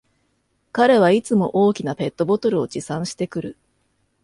彼はいつも大きなペットボトルを持参してくる